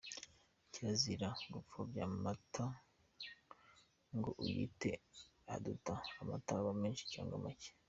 Kirazira gupfobya Amata ngo uyite Uduta : Amata aba menshi cyangwa make.